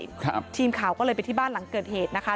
ครับทีมข่าวก็เลยไปที่บ้านหลังเกิดเหตุนะคะ